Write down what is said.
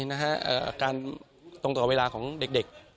อาการตรงต่อเวลาของเด็ก